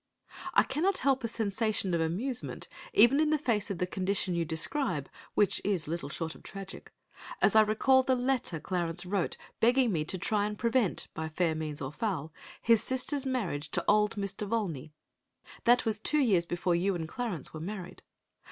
I cannot help a sensation of amusement, even in face of the condition you describe (which is little short of tragic), as I recall the letter Clarence wrote begging me to try and prevent, by fair means or foul, his sister's marriage to old Mr. Volney. That was two years before you and Clarence were married.